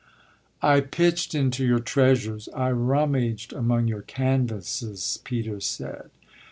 "I pitched into your treasures I rummaged among your canvases," Peter said.